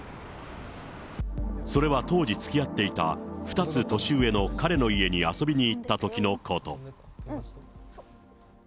それは当時つきあっていた２つ年上の彼の家に遊びに行ったときのこと。